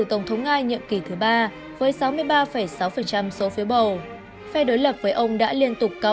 tổng thống nga nhiệm kỳ thứ ba với sáu mươi ba sáu số phiếu bầu phe đối lập với ông đã liên tục cao